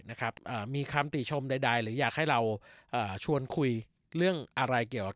นะครับอ่ามีคำติชมใดใดหรืออยากให้เราชวนคุยเรื่องอะไรเกี่ยวกับ